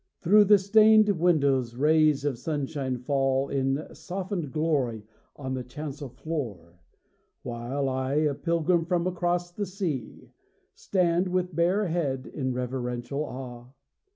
Through the stained windows rays of sunshine fall In softened glory on the chancel floor; While I, a pilgrim from across the sea, stand with bare head in reverential awe.